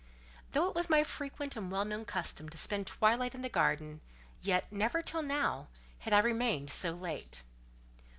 Though it was my frequent and well known custom to spend twilight in the garden, yet, never till now, had I remained so late.